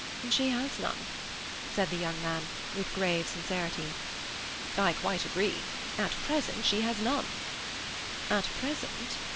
"She has none," said the young man, with grave sincerity. "I quite agree. At present she has none." "At present?"